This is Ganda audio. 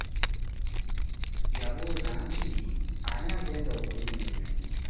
Yabuuza nti ani agenda okulinnya ennyonyi?